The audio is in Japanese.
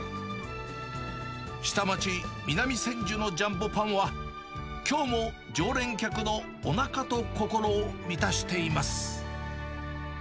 下町、南千住のジャンボパンは、きょうも常連客のおなかと心を満たしています。